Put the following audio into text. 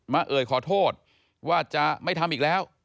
เอ่ยขอโทษว่าจะไม่ทำอีกแล้ว